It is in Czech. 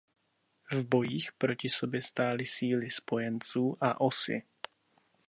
V bojích proti sobě stály síly Spojenců a Osy.